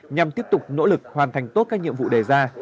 nhằm tiếp tục nỗ lực hoàn thành tốt các nhiệm vụ đề ra